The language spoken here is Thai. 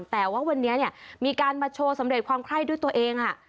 แต่ว่าวันนี้เนี่ยมีการมาโชว์สำเร็จความไข้ด้วยตัวเอง